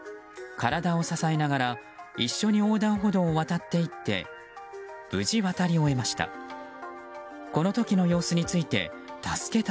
体を支えながら一緒に横断歩道を渡って行って無事、渡り終えました。